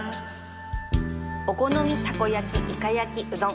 お好みたこ焼きいか焼きうどん